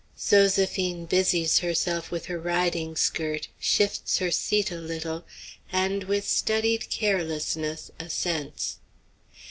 Zoséphine busies herself with her riding skirt, shifts her seat a little, and with studied carelessness assents.